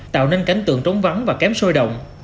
tạo nên cảnh tượng trống vắng và kém sôi động